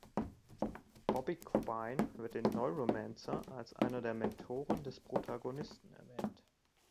Bobby Quine wird in „Neuromancer“ als einer der Mentoren des Protagonisten erwähnt.